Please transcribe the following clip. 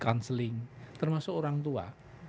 counseling termasuk orang tua